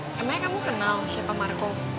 namanya kamu kenal siapa marco